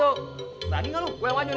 berani gak lo gue yang maju nih